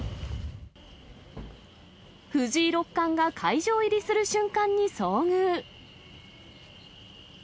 藤井六冠が会場入りする瞬間に遭遇。